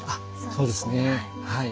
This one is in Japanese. そうですねはい。